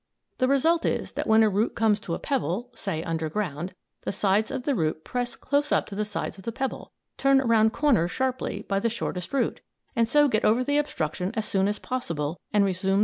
The result is that when a root comes to a pebble, say, under ground, the sides of the root press close up to the sides of the pebble turn around corners sharply, by the shortest route and so get over the obstruction as soon as possible and resume their course in the soil.